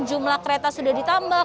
jumlah kereta sudah ditambah